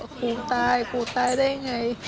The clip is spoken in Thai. ครูตายครูตายได้อย่างไร